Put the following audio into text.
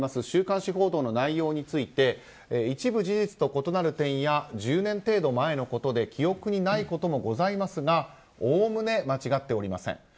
週刊誌報道の内容について一部事実と異なる点や１０年程度前のことで記憶にないこともございますがおおむね間違っておりません。